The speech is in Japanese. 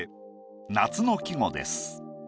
夏の季語です。